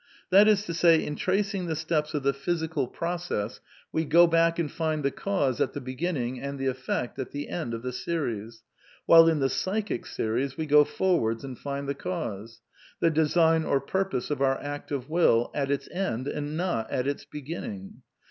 That is to say, in tracing the steps of the physical proc 84 A DEFENCE OF IDEALISM ess we go back and find the^jifla^Mhe be^njuj^ and the effgfit^at the end of the series; while in the psychic series we go forwards and find the caugfijr the design or purpose of our act of will — at its encj and not^at its be^nning.